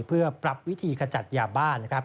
เพื่อปรับวิธีขจัดยาบ้าน